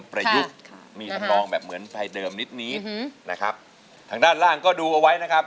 ประยุกต์มีทำนองแบบเหมือนไฟเดิมนิดนี้นะครับทางด้านล่างก็ดูเอาไว้นะครับ